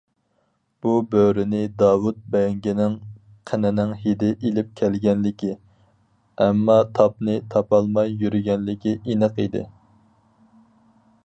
بۇ بۆرىنى داۋۇت بەڭگىنىڭ قېنىنىڭ ھىدى ئېلىپ كەلگەنلىكى، ئەمما تاپنى تاپالماي يۈرگەنلىكى ئېنىق ئىدى.